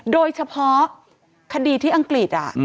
โดยเฉพาะคดีที่อังกฤษ